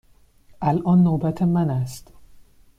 الان نوبت من است.